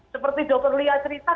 seperti dokter lia cerita